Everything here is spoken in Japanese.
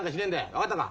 分かったか。